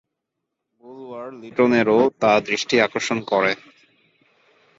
বুলওয়ার-লিটনেরও তা দৃষ্টি আকর্ষণ করে।